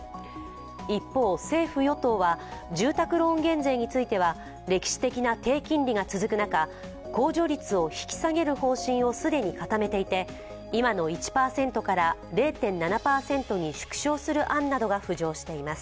一方、政府・与党は住宅ローン減税については歴史的な低金利が続く中控除率を引き下げる方針を既に固めていて今の１％から０．７％に縮小する案などが浮上しています。